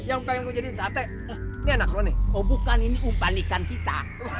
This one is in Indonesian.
yang pengen jadi sate ini anak lo nih oh bukan ini umpan ikan kita